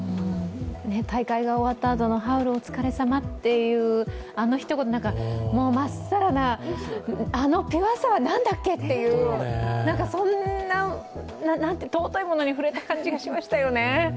大会が終わった後の「ハウルお疲れさま」っていうあの一言、まっさらな、あのピュアさは何だっけっていう、そんな尊いものに触れた感じがしましたよね。